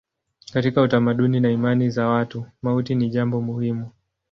Katika utamaduni na imani za watu mauti ni jambo muhimu.